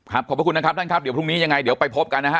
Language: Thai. ขอบพระคุณนะครับท่านครับเดี๋ยวพรุ่งนี้ยังไงเดี๋ยวไปพบกันนะฮะ